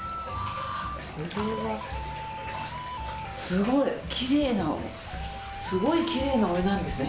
すごいきれいなすごいきれいなお湯なんですね。